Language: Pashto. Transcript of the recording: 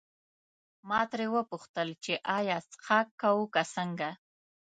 ما ترې وپوښتل چې ایا څښاک کوو که څنګه.